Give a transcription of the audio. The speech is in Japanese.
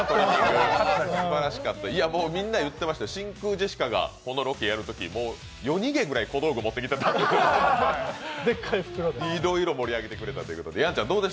みんな言ってましたよ、真空ジェシカがこのロケやるとき、夜逃げぐらい小道具持ってきてたんで、いろいろ盛り上げてくれたということで。